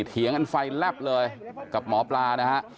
เถียงกันไฟแลบเลยกับหมอปลานะฮะ